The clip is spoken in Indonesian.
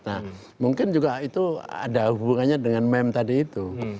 nah mungkin juga itu ada hubungannya dengan meme tadi itu